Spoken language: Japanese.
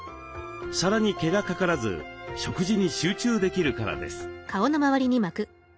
皿に毛がかからず食事に集中できるからです。